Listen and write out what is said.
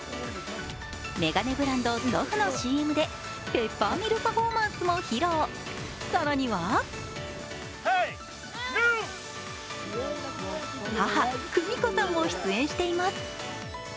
眼鏡ブランドＺｏｆｆのＣＭでペッパーミルパフォーマンスも披露更には母・久美子さんも出演しています